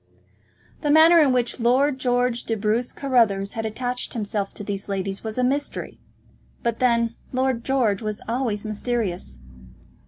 The manner in which Lord George de Bruce Carruthers had attached himself to these ladies was a mystery; but then Lord George was always mysterious.